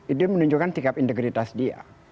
itu menunjukkan sikap integritas dia